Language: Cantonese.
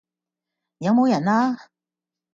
有冇人呀？